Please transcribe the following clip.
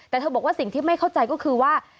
แต่เธอบอกว่าสิ่งที่ไม่เข้าใจก็คือว่า